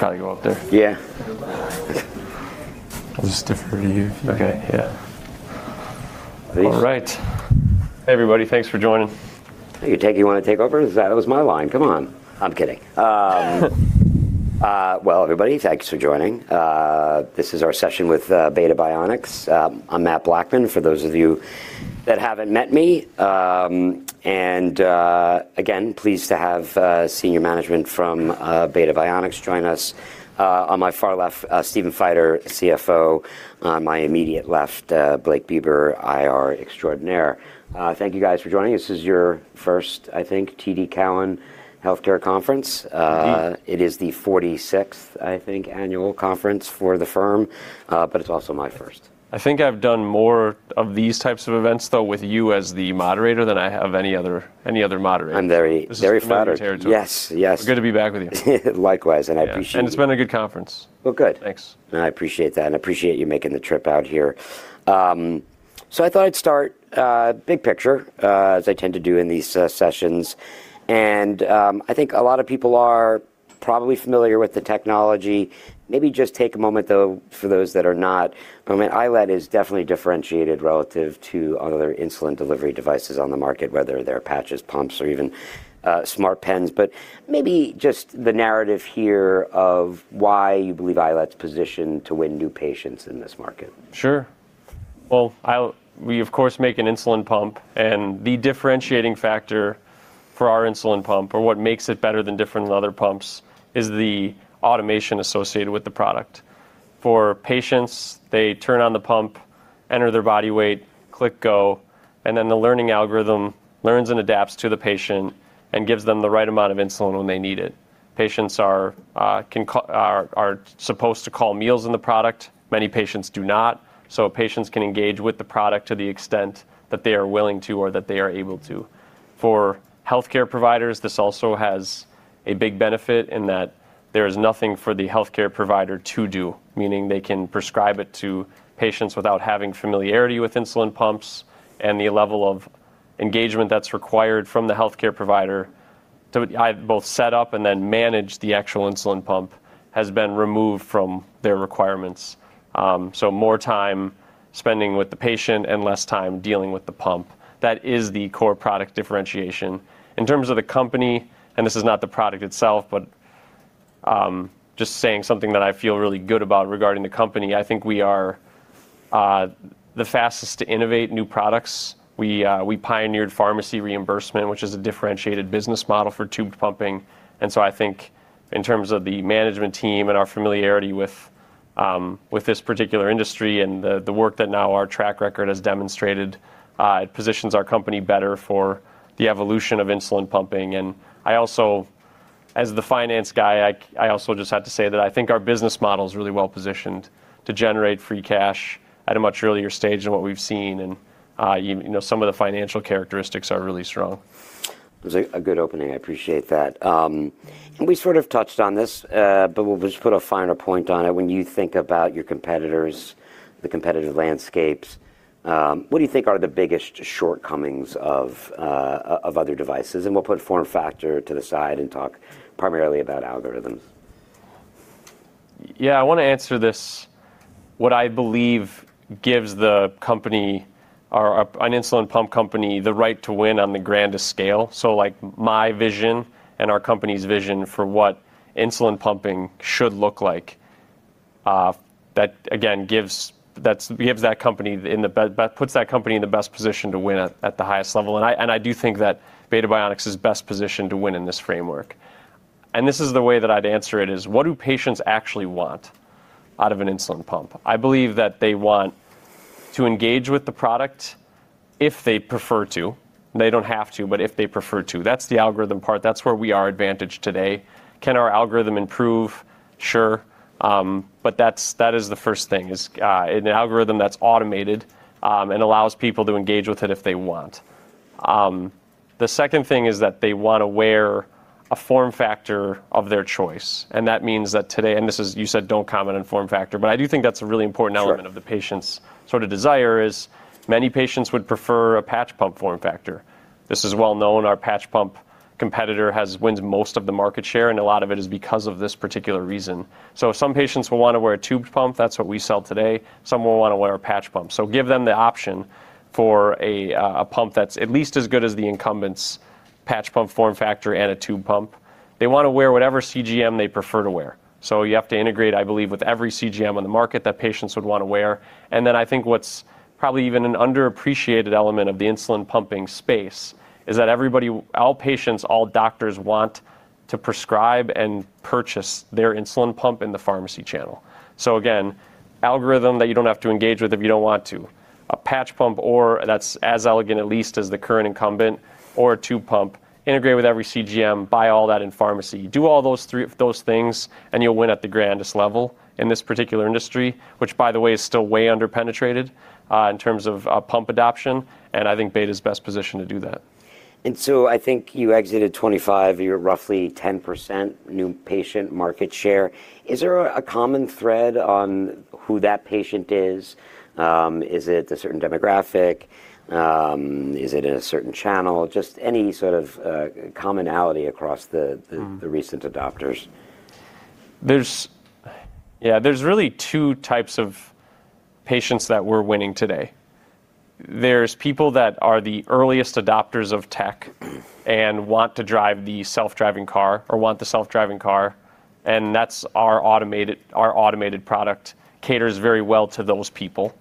Well, everybody, thanks for joining. This is our session with Beta Bionics. I'm Matt Blackman, for those of you that haven't met me. Again, pleased to have senior management from Beta Bionics join us. On my far left, Stephen Feider, CFO. On my immediate left, Blake Beber, IR extraordinaire. Thank you guys for joining. This is your 1st, I think, TD Cowen Healthcare Conference. Indeed. It is the 46th, I think, annual conference for the firm, but it's also my 1st. I think I've done more of these types of events, though, with you as the moderator than I have any other moderator. I'm very, very flattered. This is my territory. Yes. Yes. Good to be back with you. Likewise, and I appreciate it. It's been a good conference. Well, good. Thanks. I appreciate that, and I appreciate you making the trip out here. I thought I'd start big picture as I tend to do in these sessions. I think a lot of people are probably familiar with the technology. Maybe just take a moment, though, for those that are not, but I mean, iLet is definitely differentiated relative to other insulin delivery devices on the market, whether they're patches, pumps, or even smart pens. Maybe just the narrative here of why you believe iLet's positioned to win new patients in this market. Sure. We, of course, make an insulin pump, the differentiating factor for our insulin pump, or what makes it better than other pumps, is the automation associated with the product. For patients, they turn on the pump, enter their body weight, click Go, the learning algorithm learns and adapts to the patient and gives them the right amount of insulin when they need it. Patients are supposed to call meals in the product. Many patients do not. Patients can engage with the product to the extent that they are willing to or that they are able to. For healthcare providers, this also has a big benefit in that there is nothing for the healthcare provider to do, meaning they can prescribe it to patients without having familiarity with insulin pumps and the level of engagement that's required from the healthcare provider to both set up and then manage the actual insulin pump has been removed from their requirements. More time spending with the patient and less time dealing with the pump. That is the core product differentiation. In terms of the company, and this is not the product itself, but just saying something that I feel really good about regarding the company, I think we are the fastest to innovate new products. We pioneered pharmacy reimbursement, which is a differentiated business model for tube pumping. I think in terms of the management team and our familiarity with this particular industry and the work that now our track record has demonstrated, it positions our company better for the evolution of insulin pumping. I also, as the finance guy, I also just have to say that I think our business model is really well-positioned to generate free cash at a much earlier stage than what we've seen. You know, some of the financial characteristics are really strong. It was a good opening. I appreciate that. We sort of touched on this, but we'll just put a finer point on it. When you think about your competitors, the competitive landscapes, what do you think are the biggest shortcomings of other devices? We'll put form factor to the side and talk primarily about algorithms. I wanna answer this. What I believe gives the company or an insulin pump company the right to win on the grandest scale. Like, my vision and our company's vision for what insulin pumping should look like, that again gives that company the, puts that company in the best position to win at the highest level. I do think that Beta Bionics is best positioned to win in this framework. This is the way that I'd answer it, is what do patients actually want out of an insulin pump? I believe that they want to engage with the product if they prefer to. They don't have to, but if they prefer to. That's the algorithm part. That's where we are advantaged today. Can our algorithm improve? Sure. That's, that is the 1st thing, is an algorithm that's automated, and allows people to engage with it if they want. The 2nd thing is that they wanna wear a form factor of their choice, and that means that today, and this is, you said don't comment on form factor, but I do think that's a really important element- Sure. of the patient's sort of desire is many patients would prefer a patch pump form factor. This is well known. Our patch pump competitor wins most of the market share. A lot of it is because of this particular reason. Some patients will wanna wear a tubed pump. That's what we sell today. Some will wanna wear a patch pump. Give them the option for a pump that's at least as good as the incumbent's patch pump form factor and a tubed pump. They wanna wear whatever CGM they prefer to wear. You have to integrate, I believe, with every CGM on the market that patients would wanna wear. I think what's probably even an underappreciated element of the insulin pumping space is that everybody, all patients, all doctors want to prescribe and purchase their insulin pump in the pharmacy channel. Again, algorithm that you don't have to engage with if you don't want to. A patch pump or that's as elegant, at least, as the current incumbent or a tubed pump integrated with every CGM, buy all that in pharmacy. Do all those 3, those things, and you'll win at the grandest level in this particular industry, which by the way, is still way under-penetrated, in terms of pump adoption, and I think Beta's best positioned to do that. I think you exited 25. You're roughly 10% new patient market share. Is there a common thread on who that patient is? Is it a certain demographic? Is it in a certain channel? Just any sort of commonality across the. Mm. the recent adopters. There's really 2 types of patients that we're winning today. There's people that are the earliest adopters of tech and want to drive the self-driving car or want the self-driving car. That's our automated product caters very well to those people.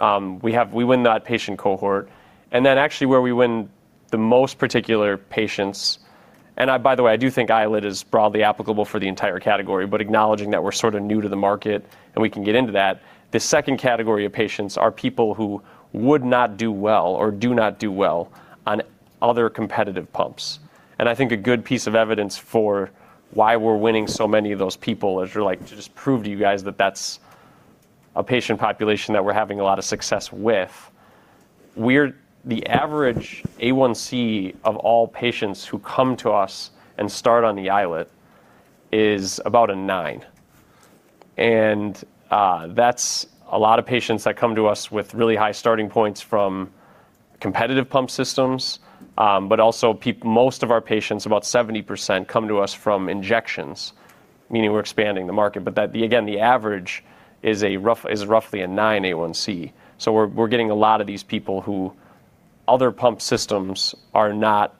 We win that patient cohort. Actually where we win the most particular patients, by the way, I do think iLet is broadly applicable for the entire category, but acknowledging that we're sort of new to the market, we can get into that. The 2nd category of patients are people who would not do well or do not do well on other competitive pumps. I think a good piece of evidence for why we're winning so many of those people is we're like, to just prove to you guys that that's a patient population that we're having a lot of success with. The average A1c of all patients who come to us and start on the iLet is about 9. That's a lot of patients that come to us with really high starting points from competitive pump systems. Most of our patients, about 70%, come to us from injections, meaning we're expanding the market. That, again, the average is roughly 9 A1c. We're getting a lot of these people who other pump systems are not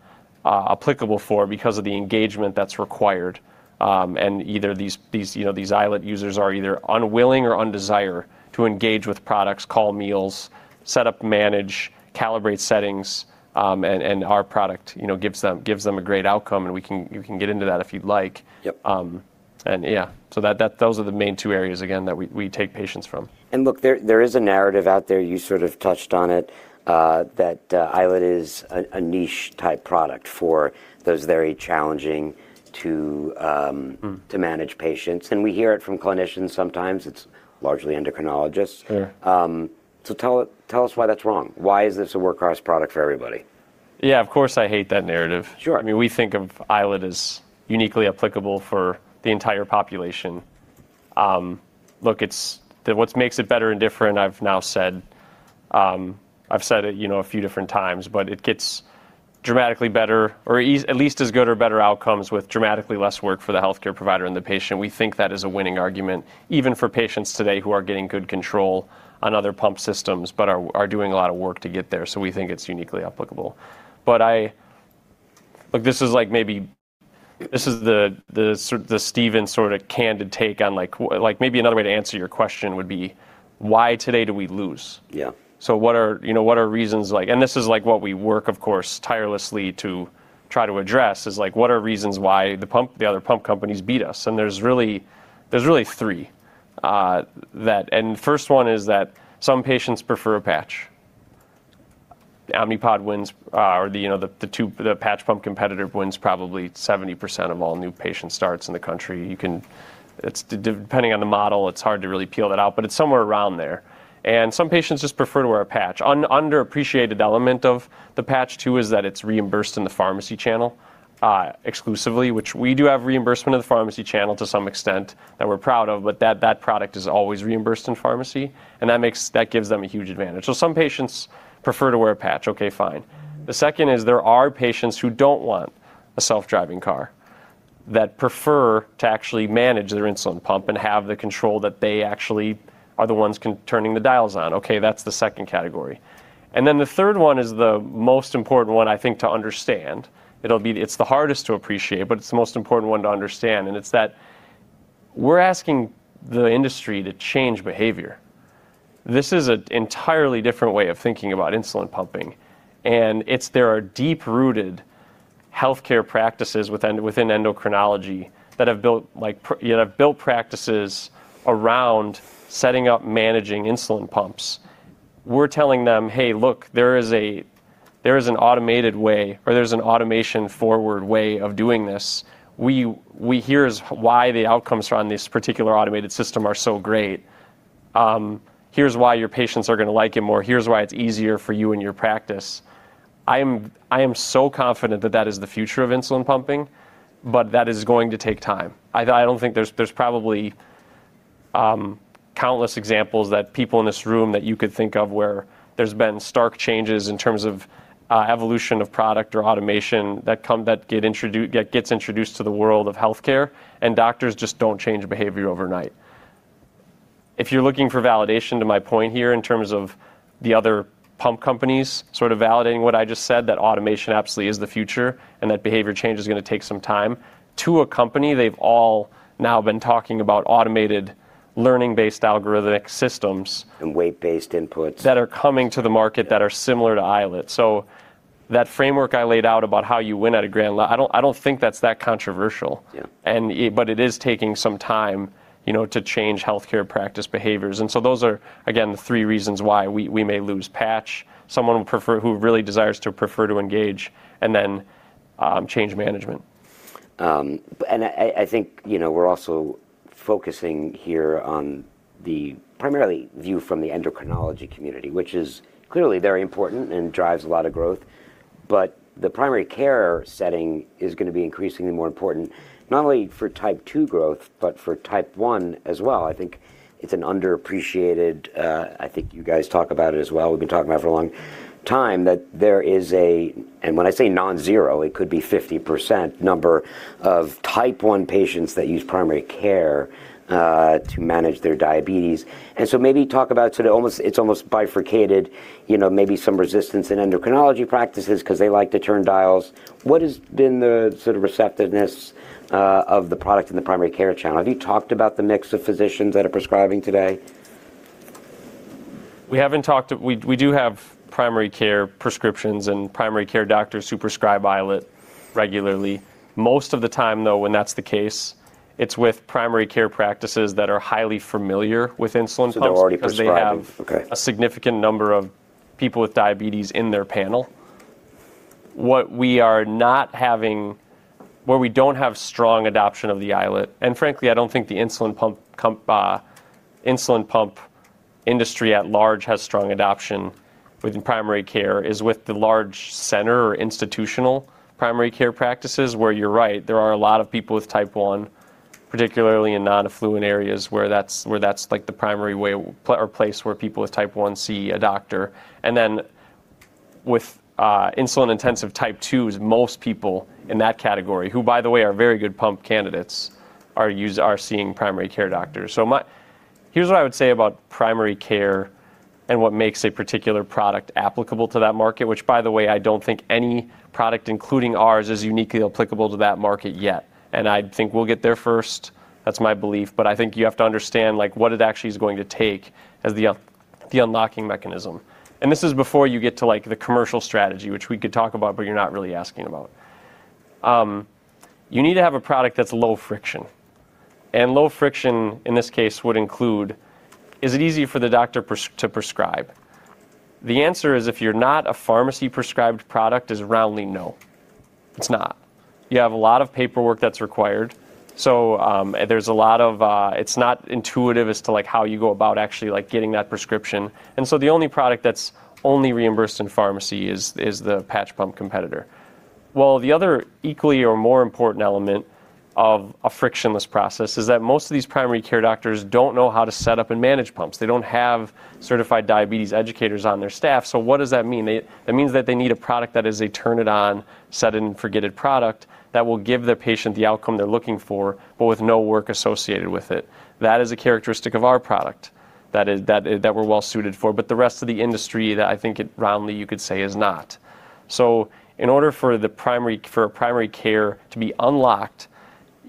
applicable for because of the engagement that's required. Either these, you know, these iLet users are either unwilling or undesire to engage with products, call meals, set up, manage, calibrate settings. Our product, you know, gives them a great outcome. You can get into that if you'd like. Yep. That those are the main 2 areas again that we take patients from. Look, there is a narrative out there, you sort of touched on it, that iLet is a niche type product for those very challenging to. Mm-hmm. To manage patients. We hear it from clinicians sometimes. It's largely endocrinologists. Yeah. Tell us why that's wrong. Why is this a workhorse product for everybody? Of course, I hate that narrative. Sure. I mean, we think of iLet as uniquely applicable for the entire population. Look, what makes it better and different, I've now said, I've said it, you know, a few different times, but it gets dramatically better or at least as good or better outcomes with dramatically less work for the healthcare provider and the patient. We think that is a winning argument, even for patients today who are getting good control on other pump systems, but are doing a lot of work to get there. We think it's uniquely applicable. Look, this is like, maybe this is the Stephen sort of candid take on like maybe another way to answer your question would be, why today do we lose? Yeah. What are, you know, what are reasons like, this is like what we work, of course, tirelessly to try to address is like, what are reasons why the pump, the other pump companies beat us? There's really 3. First one is that some patients prefer a patch. Omnipod wins, or, you know, the 2, the patch pump competitor wins probably 70% of all new patient starts in the country. It's depending on the model, it's hard to really peel that out, but it's somewhere around there. Some patients just prefer to wear a patch. Un-underappreciated element of the patch, too, is that it's reimbursed in the pharmacy channel, exclusively, which we do have reimbursement of the pharmacy channel to some extent that we're proud of, but that product is always reimbursed in pharmacy, and that gives them a huge advantage. Some patients prefer to wear a patch, okay, fine. The 2nd is there are patients who don't want a self-driving car, that prefer to actually manage their insulin pump and have the control that they actually are the ones turning the dials on. Okay, that's the 2nd category. The 3rd one is the most important one, I think, to understand. It's the hardest to appreciate, but it's the most important one to understand. It's that we're asking the industry to change behavior. This is an entirely different way of thinking about insulin pumping. There are deep-rooted healthcare practices within endocrinology that have built, like, you know, have built practices around setting up managing insulin pumps. We're telling them, "Hey, look, there is a, there is an automated way or there's an automation-forward way of doing this." Here's why the outcomes from this particular automated system are so great. Here's why your patients are gonna like it more. Here's why it's easier for you and your practice. I am so confident that that is the future of insulin pumping, but that is going to take time. I don't think there's probably countless examples that people in this room that you could think of where there's been stark changes in terms of evolution of product or automation that gets introduced to the world of healthcare. Doctors just don't change behavior overnight. If you're looking for validation to my point here in terms of the other pump companies sort of validating what I just said, that automation absolutely is the future and that behavior change is gonna take some time. To a company, they've all now been talking about automated learning-based algorithmic systems. Weight-based inputs. That are coming to the market that are similar to iLet. That framework I laid out about how you win at a grand I don't think that's that controversial. Yeah. It is taking some time, you know, to change healthcare practice behaviors. Those are, again, the 3 reasons why we may lose patch. Who really desires to engage, change management. I think, you know, we're also focusing here on the primarily view from the endocrinology community, which is clearly very important and drives a lot of growth. The primary care setting is going to be increasingly more important, not only for Type 2 growth, but for Type 1 as well. I think it's an underappreciated, I think you guys talk about it as well. We've been talking about it for a long time, that there is. When I say non-0, it could be 50% number of Type 1 patients that use primary care to manage their diabetes. Maybe talk about sort of it's almost bifurcated, you know, maybe some resistance in endocrinology practices 'cause they like to turn dials. What has been the sort of receptiveness of the product in the primary care channel? Have you talked about the mix of physicians that are prescribing today? We do have primary care prescriptions and primary care doctors who prescribe iLet regularly. Most of the time, though, when that's the case, it's with primary care practices that are highly familiar with insulin pumps- They're already prescribing. Okay. because they have a significant number of people with diabetes in their panel. Where we don't have strong adoption of the iLet, frankly, I don't think the insulin pump industry at large has strong adoption within primary care, is with the large center or institutional primary care practices where you're right, there are a lot of people with Type 1, particularly in non-affluent areas where that's, where that's like the primary way or place where people with Type 1 see a doctor. Then with insulin-intensive Type 2's, most people in that category, who by the way are very good pump candidates, are seeing primary care doctors. Here's what I would say about primary care and what makes a particular product applicable to that market, which by the way, I don't think any product, including ours, is uniquely applicable to that market yet. I think we'll get there first. That's my belief. I think you have to understand like what it actually is going to take as the unlocking mechanism. This is before you get to like the commercial strategy, which we could talk about, but you're not really asking about. You need to have a product that's low friction. Low friction in this case would include, is it easy for the doctor to prescribe? The answer is, if you're not a pharmacy-prescribed product is roundly no, it's not. You have a lot of paperwork that's required. It's not intuitive as to like how you go about actually like getting that prescription. The only product that's only reimbursed in pharmacy is the patch pump competitor. The other equally or more important element of a frictionless process is that most of these primary care doctors don't know how to set up and manage pumps. They don't have certified diabetes educators on their staff. What does that mean? It means that they need a product that is a turn-it-on, set-it, and forget-it product that will give the patient the outcome they're looking for, but with no work associated with it. That is a characteristic of our product that is that we're well suited for, but the rest of the industry that I think it roundly you could say is not. In order for a primary care to be unlocked,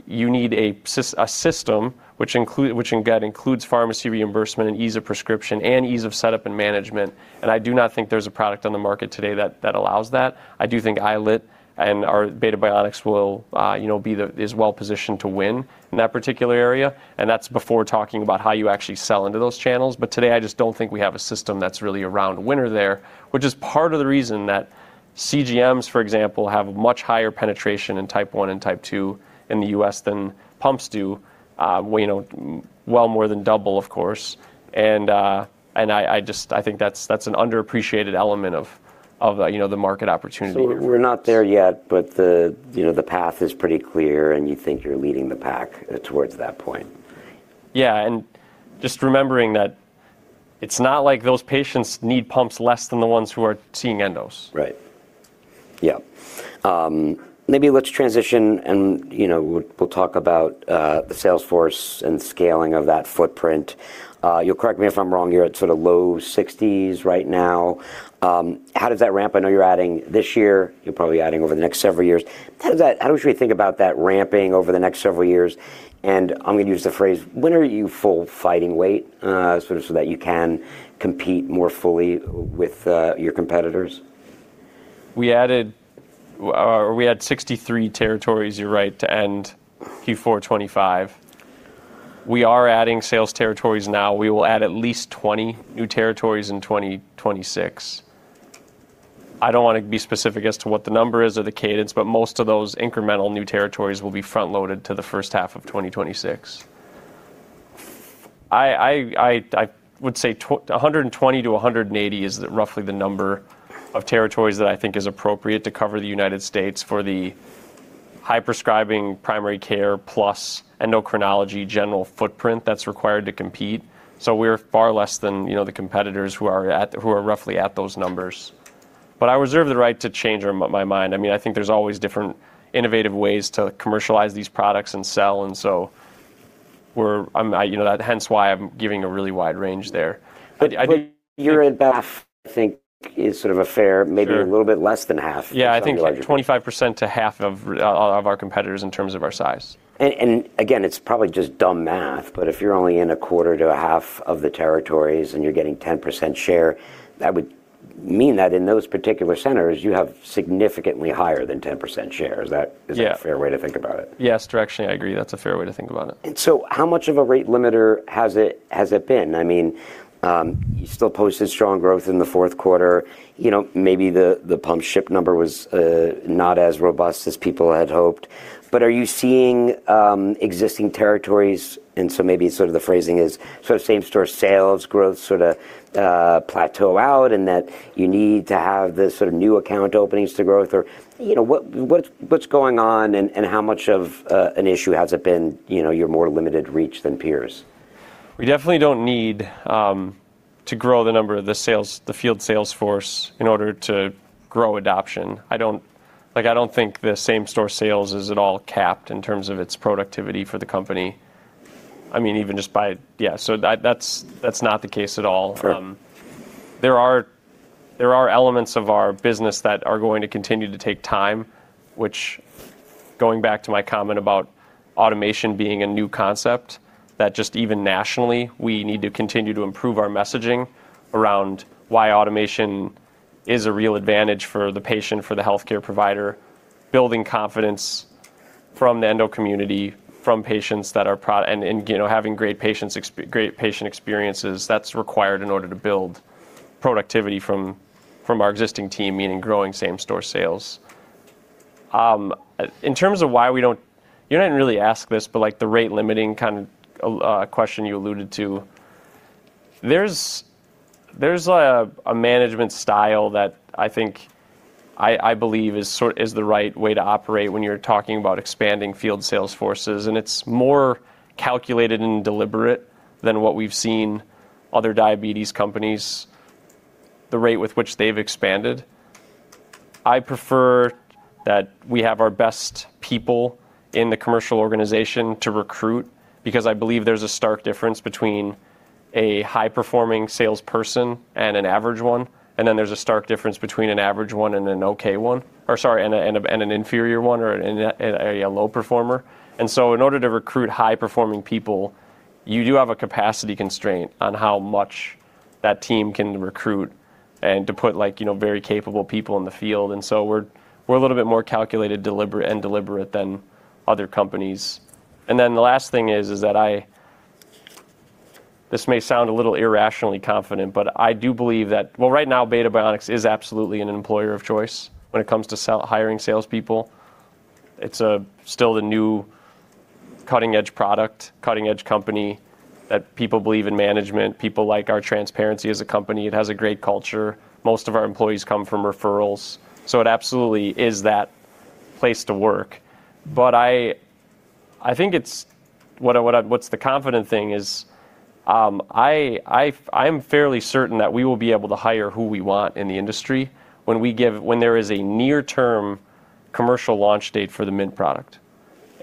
you need a system which includes pharmacy reimbursement and ease of prescription and ease of setup and management. I do not think there's a product on the market today that allows that. I do think iLet and our Beta Bionics will, you know, is well positioned to win in that particular area. That's before talking about how you actually sell into those channels. Today, I just don't think we have a system that's really a round winner there, which is part of the reason that CGMs, for example, have much higher penetration in Type 1 and Type 2 in the US than pumps do, way, you know, well more than double, of course. I think that's an underappreciated element of, you know, the market opportunity here. We're not there yet, but the, you know, the path is pretty clear, and you think you're leading the pack, towards that point. Just remembering that it's not like those patients need pumps less than the ones who are seeing endos. Right. Maybe let's transition and, you know, we'll talk about the sales force and scaling of that footprint. you'll correct me if I'm wrong, you're at sort of low 60s right now. How does that ramp? I know you're adding this year. You're probably adding over the next several years. How should we think about that ramping over the next several years? I'm going to use the phrase, when are you full fighting weight, sort of so that you can compete more fully with your competitors? We added, or we had 63 territories, you're right, to end Q4 2025. We are adding sales territories now. We will add at least 20 new territories in 2026. I don't want to be specific as to what the number is or the cadence, but most of those incremental new territories will be front-loaded to the H1 of 2026. I would say 120-180 is roughly the number of territories that I think is appropriate to cover the United States for the high-prescribing primary care plus endocrinology general footprint that's required to compete. We're far less than, you know, the competitors who are at, who are roughly at those numbers. I reserve the right to change my mind. I mean, I think there's always different innovative ways to commercialize these products and sell. I'm, you know, that hence why I'm giving a really wide range there. I think. You're at half, I think is sort of a fair-. Sure maybe a little bit less than half in terms of geography. I think like 25% to half of our competitors in terms of our size. Again, it's probably just dumb math, but if you're only in a quarter to a half of the territories and you're getting 10% share, that would mean that in those particular centers, you have significantly higher than 10% share. Is that? Yeah Is that a fair way to think about it? Yes. Directionally, I agree, that's a fair way to think about it. How much of a rate limiter has it been? I mean, you still posted strong growth in the Q4. You know, maybe the pump ship number was not as robust as people had hoped. Are you seeing, existing territories, and so maybe sort of the phrasing is, so same-store sales growth sorta plateau out and that you need to have this sort of new account openings to growth or, you know, what's going on and how much of an issue has it been, you know, you're more limited reach than peers? We definitely don't need to grow the number of the field sales force in order to grow adoption. Like, I don't think the same-store sales is at all capped in terms of its productivity for the company. I mean, that's not the case at all. Sure. There are elements of our business that are going to continue to take time, which going back to my comment about automation being a new concept, that just even nationally, we need to continue to improve our messaging around why automation is a real advantage for the patient, for the healthcare provider, building confidence from the endo community, from patients that are and, you know, having great patient experiences, that's required in order to build productivity from our existing team, meaning growing same-store sales. You didn't really ask this, but like the rate limiting kind of question you alluded to. There's a management style that I believe is the right way to operate when you're talking about expanding field sales forces, and it's more calculated and deliberate than what we've seen other diabetes companies, the rate with which they've expanded. I prefer that we have our best people in the commercial organization to recruit because I believe there's a stark difference between a high-performing salesperson and an average one, and then there's a stark difference between an average one and an okay one. Or sorry, and an inferior one or a low performer. In order to recruit high-performing people, you do have a capacity constraint on how much that team can recruit and to put like, you know, very capable people in the field. We're a little bit more calculated and deliberate than other companies. The last thing is. This may sound a little irrationally confident, but I do believe that Well, right now, Beta Bionics is absolutely an employer of choice when it comes to hiring salespeople. It's still the new cutting-edge product, cutting-edge company that people believe in management. People like our transparency as a company. It has a great culture. Most of our employees come from referrals. It absolutely is that place to work. I think what's the confident thing is, I'm fairly certain that we will be able to hire who we want in the industry when there is a near-term commercial launch date for the Mint product.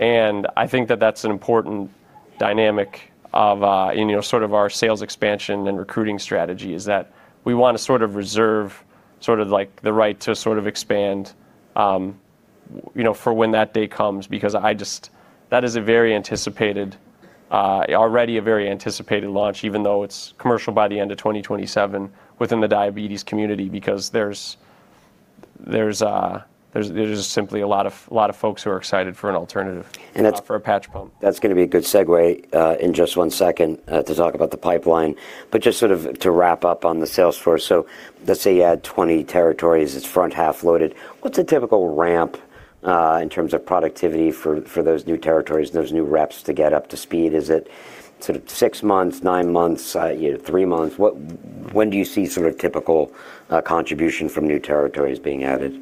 I think that that's an important dynamic of, in, you know, sort of our sales expansion and recruiting strategy, is that we want to sort of reserve sort of like the right to sort of expand, you know, for when that day comes, because that is a very anticipated, already a very anticipated launch, even though it's commercial by the end of 2027 within the diabetes community, because there's simply a lot of folks who are excited for an alternative. And that's- for a patch pump. That's gonna be a good segue, in just 1 second, to talk about the pipeline. Just sort of to wrap up on the sales floor. Let's say you add 20 territories, it's front half loaded. What's a typical ramp, in terms of productivity for those new territories, those new reps to get up to speed? Is it sort of 6 months, 9 months, you know, 3 months? When do you see sort of typical contribution from new territories being added?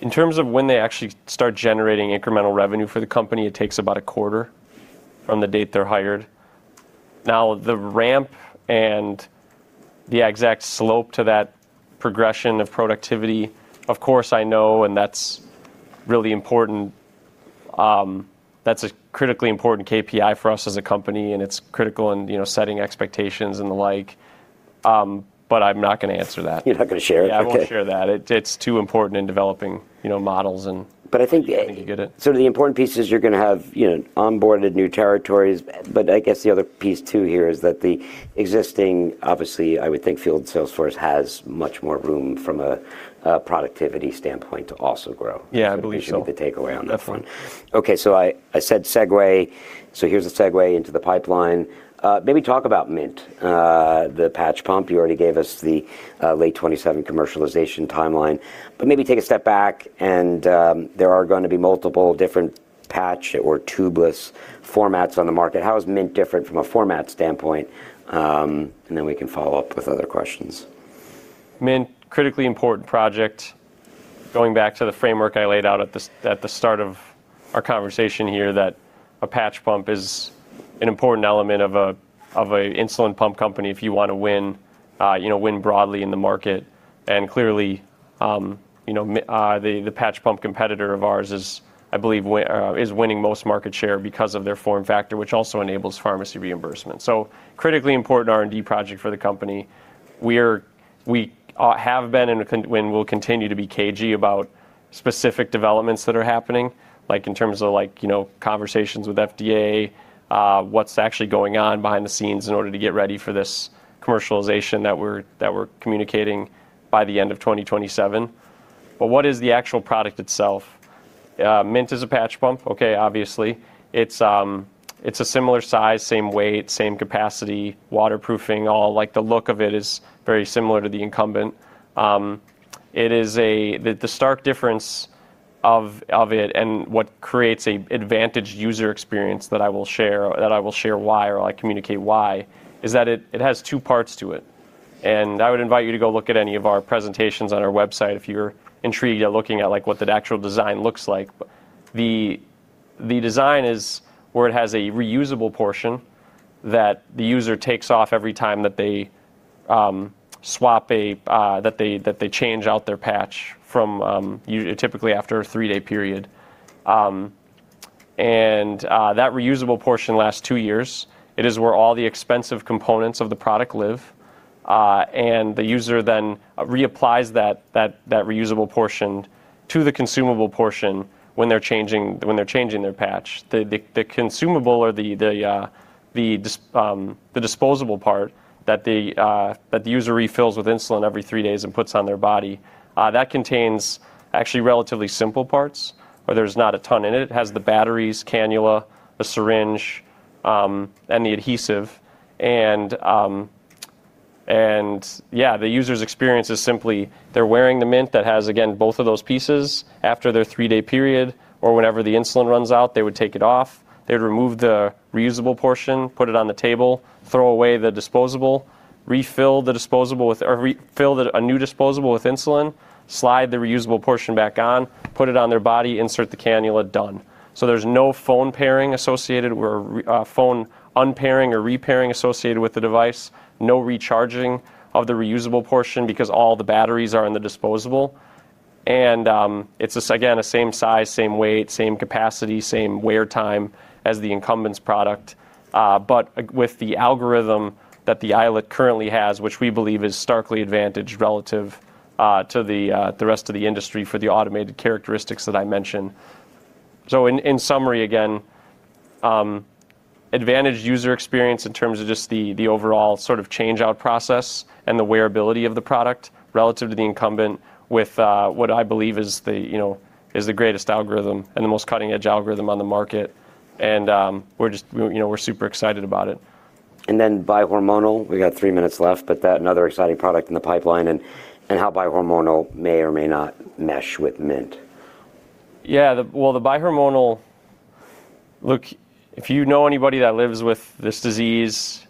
In terms of when they actually start generating incremental revenue for the company, it takes about a quarter from the date they're hired. The ramp and the exact slope to that progression of productivity, of course, I know, and that's really important. That's a critically important KPI for us as a company, and it's critical in, you know, setting expectations and the like. I'm not gonna answer that. You're not gonna share it? Okay. I won't share that. It's too important in developing, you know, models and. I think- I think you get it. The important piece is you're gonna have, you know, onboarded new territories. I guess the other piece too here is that the existing, obviously, I would think field sales force has much more room from a productivity standpoint to also grow. I believe so. We should get the takeaway on that one. Definitely. I said segue. Here's the segue into the pipeline. Maybe talk about Mint, the patch pump. You already gave us the late 2027 commercialization timeline. Maybe take a step back and there are gonna be multiple different patch or tubeless formats on the market. How is Mint different from a format standpoint? We can follow up with other questions. Mint, critically important project. Going back to the framework I laid out at the start of our conversation here that a patch pump is an important element of a, of a insulin pump company if you want to win, you know, win broadly in the market. Clearly, you know, the patch pump competitor of ours is, I believe, is winning most market share because of their form factor, which also enables pharmacy reimbursement. Critically important R&D project for the company. We have been and will continue to be cagey about specific developments that are happening, like in terms of like, you know, conversations with FDA, what's actually going on behind the scenes in order to get ready for this commercialization that we're, that we're communicating by the end of 2027. What is the actual product itself? Mint is a patch pump. Okay, obviously. It's a similar size, same weight, same capacity, waterproofing, all. Like, the look of it is very similar to the incumbent. The stark difference of it and what creates a advantage user experience that I will share why or I communicate why, is that it has 2 parts to it. I would invite you to go look at any of our presentations on our website if you're intrigued at looking at, like, what the actual design looks like. The design is where it has a reusable portion that the user takes off every time that they change out their patch from typically after a 3-day period. That reusable portion lasts 2 years. It is where all the expensive components of the product live, the user then reapplies that reusable portion to the consumable portion when they're changing their patch. The consumable or the disposable part that the user refills with insulin every 3 days and puts on their body, that contains actually relatively simple parts or there's not a ton in it. It has the batteries, cannula, a syringe, and the adhesive. The user's experience is simply they're wearing the Mint that has, again, both of those pieces. After their 3-day period or whenever the insulin runs out, they would take it off, they would remove the reusable portion, put it on the table, throw away the disposable, refill the, a new disposable with insulin, slide the reusable portion back on, put it on their body, insert the cannula, done. There's no phone pairing associated or phone unpairing or repairing associated with the device, no recharging of the reusable portion because all the batteries are in the disposable. It's the same, again, the same size, same weight, same capacity, same wear time as the incumbent's product, but with the algorithm that the iLet currently has, which we believe is starkly advantaged relative to the rest of the industry for the automated characteristics that I mentioned. In summary, again, advantage user experience in terms of just the overall sort of change-out process and the wearability of the product relative to the incumbent with, what I believe is the, you know, is the greatest algorithm and the most cutting edge algorithm on the market, and, we're just, you know, we're super excited about it. Bi-hormonal. We got 3 minutes left, but that, another exciting product in the pipeline and how bi-hormonal may or may not mesh with Mint. The, well, the bi-hormonal. Look, if you know anybody that lives with this disease,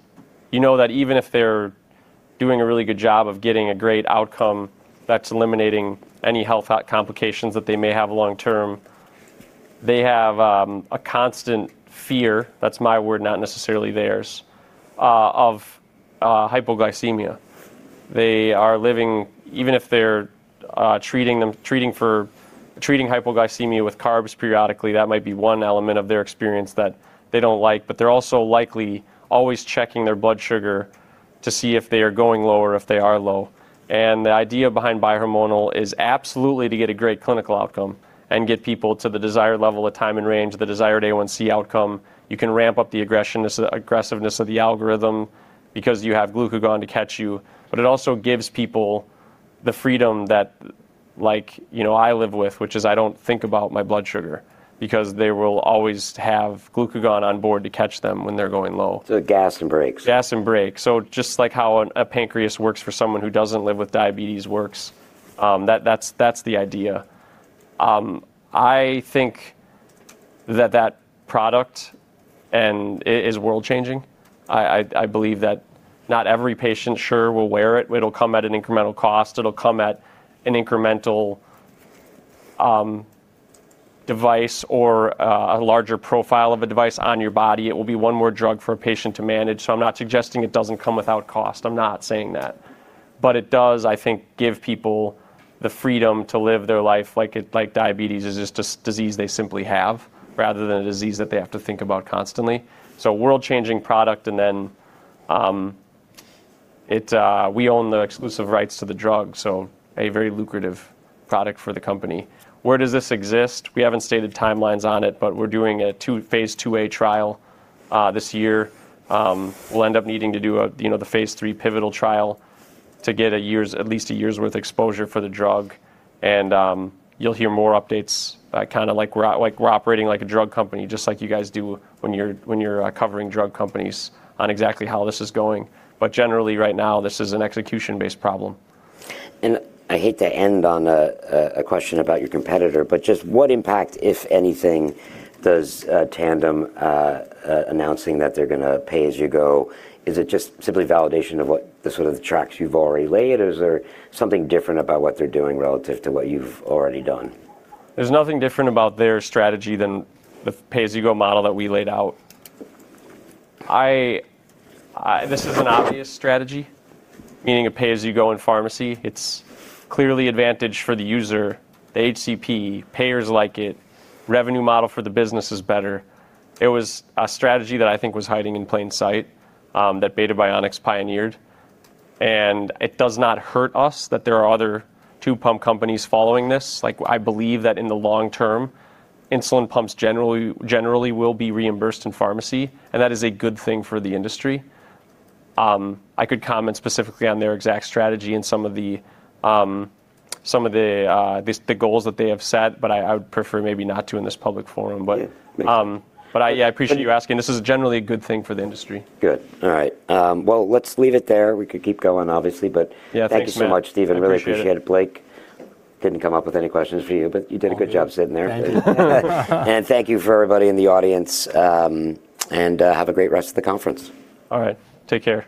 you know that even if they're doing a really good job of getting a great outcome that's eliminating any health out complications that they may have long term, they have a constant fear, that's my word, not necessarily theirs, of hypoglycemia. They are living, even if they're treating hypoglycemia with carbs periodically, that might be 1 element of their experience that they don't like, but they're also likely always checking their blood sugar to see if they are going low or if they are low. The idea behind bi-hormonal is absolutely to get a great clinical outcome and get people to the desired level of Time in Range, the desired A1C outcome. You can ramp up the aggressiveness of the algorithm because you have glucagon to catch you. It also gives people the freedom that, like, you know, I live with, which is I don't think about my blood sugar because they will always have glucagon on board to catch them when they're going low. Gas and brakes. Gas and brakes. Just like how an, a pancreas works for someone who doesn't live with diabetes works, that's the idea. I think that that product is world-changing. I believe that not every patient sure will wear it. It'll come at an incremental cost. It'll come at an incremental device or a larger profile of a device on your body. It will be 1 more drug for a patient to manage. I'm not suggesting it doesn't come without cost. I'm not saying that. It does, I think, give people the freedom to live their life like it, like diabetes is just this disease they simply have rather than a disease that they have to think about constantly. World-changing product and then, we own the exclusive rights to the drug, so a very lucrative product for the company. Where does this exist? We haven't stated timelines on it, but we're doing a 2 phase II trial this year. We'll end up needing to do a, you know, the phase III pivotal trial to get a year's, at least a year's worth of exposure for the drug. You'll hear more updates, kinda like we're operating like a drug company, just like you guys do when you're covering drug companies on exactly how this is going. Generally, right now, this is an execution-based problem. I hate to end on a question about your competitor, just what impact, if anything, does Tandem announcing that they're gonna pay-as-you-go? Is it just simply validation of what the sort of tracks you've already laid, or is there something different about what they're doing relative to what you've already done? There's nothing different about their strategy than the pay-as-you-go model that we laid out. This is an obvious strategy, meaning a pay as you go in pharmacy. It's clearly advantage for the user, the HCP. Payers like it. Revenue model for the business is better. It was a strategy that I think was hiding in plain sight that Beta Bionics pioneered, and it does not hurt us that there are other 2 pump companies following this. Like, I believe that in the long term, insulin pumps generally will be reimbursed in pharmacy, and that is a good thing for the industry. I could comment specifically on their exact strategy and some of the some of the goals that they have set, but I would prefer maybe not to in this public forum. Thank you. I appreciate you asking. This is generally a good thing for the industry. Good. All right. Well, let's leave it there. We could keep going, obviously, but- Thanks, Matt thank you so much, Stephen. I appreciate it. Really appreciate it. Blake, didn't come up with any questions for you, but you did a good job sitting there. Thank you. Thank you for everybody in the audience, and have a great rest of the conference. All right. Take care.